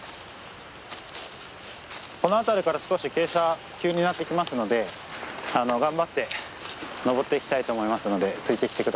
この辺りから少し傾斜急になってきますので頑張って登っていきたいと思いますのでついてきて下さい。